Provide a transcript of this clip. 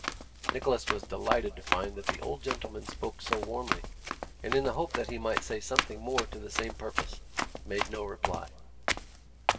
Nicholas was delighted to find that the old gentleman spoke so warmly, and in the hope that he might say something more to the same purpose, made no reply.